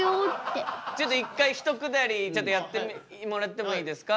ちょっと一回一くだりちょっとやってもらってもいいですか？